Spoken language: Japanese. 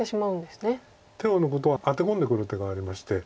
手を抜くとアテ込んでくる手がありまして。